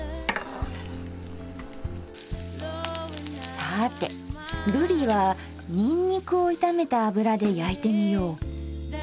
さあてぶりはニンニクを炒めた油で焼いてみよう。